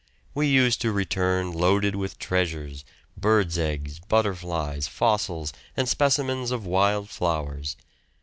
We used to return loaded with treasures, birds' eggs, butterflies, fossils, and specimens of wild flowers.